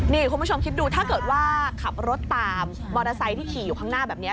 นี่คุณผู้ชมคิดดูถ้าเกิดว่าขับรถตามมอเตอร์ไซค์ที่ขี่อยู่ข้างหน้าแบบนี้